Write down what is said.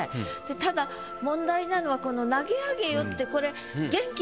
ただ問題なのはこの「投げ上げよ」ってこれ。